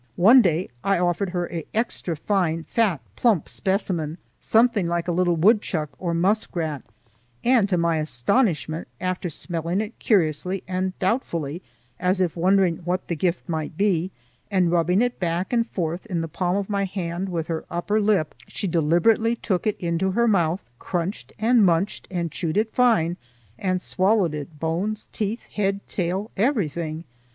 One day I offered her an extra fine, fat, plump specimen, something like a little woodchuck, or muskrat, and to my astonishment, after smelling it curiously and doubtfully, as if wondering what the gift might be, and rubbing it back and forth in the palm of my hand with her upper lip, she deliberately took it into her mouth, crunched and munched and chewed it fine and swallowed it, bones, teeth, head, tail, everything.